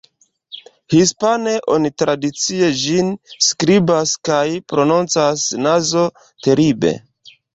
Hispane, oni tradicie ĝin skribas kaj prononcas "Nazo-Teribe".